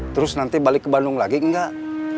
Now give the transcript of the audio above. terus nanti balik ke bandung lagi enggak